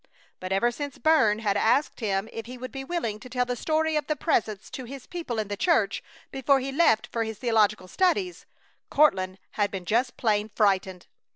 But ever since Burns had asked him if he would be willing to tell the story of the Presence to his people in the church before he left for his theological studies, Courtland had been just plain frightened.